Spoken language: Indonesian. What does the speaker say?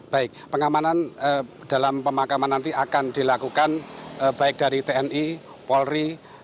baik pengamanan dalam pemakaman nanti akan dilakukan baik dari tni polri